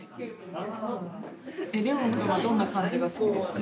レウォン君はどんな漢字が好きですか？